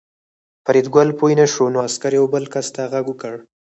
فریدګل پوه نه شو نو عسکر یو بل کس ته غږ وکړ